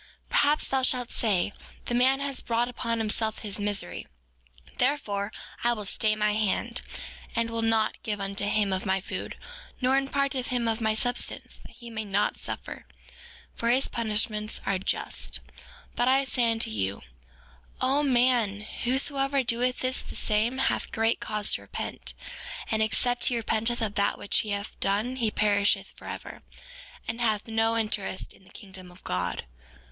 4:17 Perhaps thou shalt say: The man has brought upon himself his misery; therefore I will stay my hand, and will not give unto him of my food, nor impart unto him of my substance that he may not suffer, for his punishments are just— 4:18 But I say unto you, O man, whosoever doeth this the same hath great cause to repent; and except he repenteth of that which he hath done he perisheth forever, and hath no interest in the kingdom of God.